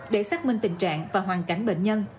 để xác minh tình trạng và hoàn cảnh bệnh nhân